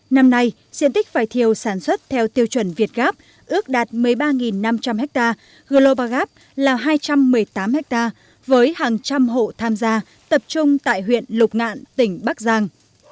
năm nay diện tích vải thiều sản xuất theo tiêu chuẩn việt gáp ước đạt một mươi ba năm trăm linh ha global gap là hai trăm một mươi tám ha với hàng trăm hộ tham gia tập trung tại huyện lục ngạn tỉnh bắc giang